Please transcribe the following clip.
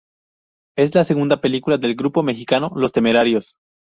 Es la segunda película del grupo mexicano Los Temerarios.